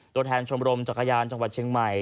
ตัวแทนชมรมจักรยานจังหวัดเชียงใหม่